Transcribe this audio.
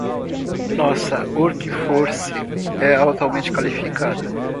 Nossa workforce é altamente qualificada.